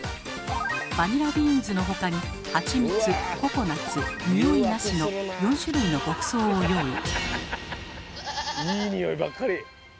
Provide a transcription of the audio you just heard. バニラビーンズの他に「ハチミツ」「ココナツ」「におい無し」の４種類の牧草を用意。